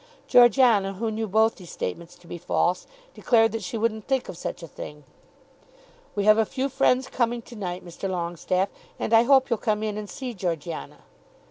Georgiana, who knew both these statements to be false, declared that she wouldn't think of such a thing. "We have a few friends coming to night, Mr. Longestaffe, and I hope you'll come in and see Georgiana."